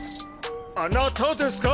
あなたですか？